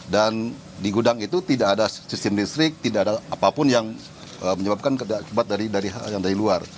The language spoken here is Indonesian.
dan di gudang itu tidak ada sistem listrik tidak ada apapun yang menyebabkan kebat dari luar